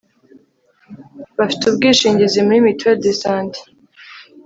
bafite ubwishingizi muri Mutuel de Sante